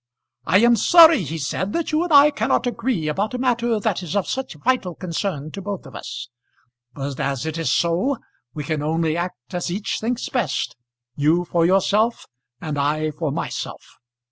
"I am sorry," he said, "that you and I cannot agree about a matter that is of such vital concern to both of us; but as it is so, we can only act as each thinks best, you for yourself and I for myself.